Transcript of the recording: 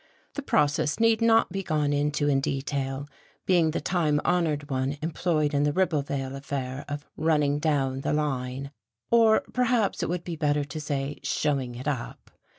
The process need not be gone into in detail, being the time honoured one employed in the Ribblevale affair of "running down" the line, or perhaps it would be better to say "showing it up."